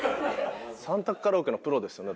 ３択カラオケのプロですよね？